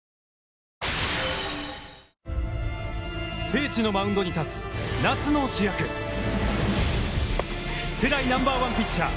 聖地のマウンドに立つ夏の主役世代ナンバーワンピッチャー